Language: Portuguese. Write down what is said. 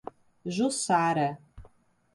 Jussara